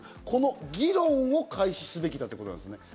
この議論を開始すべきだということですね。